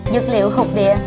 dược liệu hụt địa